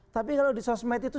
tapi kalau di sosmed itu